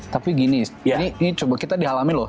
tapi gini ini coba kita dihalamin loh